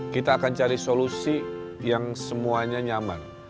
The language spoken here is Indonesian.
kita akan cari solusi yang semuanya nyaman